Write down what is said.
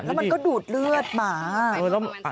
แล้วมันก็ดูดเลือดหมา